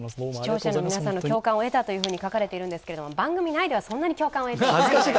視聴者の皆さんの共感を得たという評価をされてるんですけど番組内ではそんなに共感を得ていない。